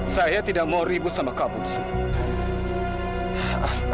saya tidak mau ribut sama kamu sih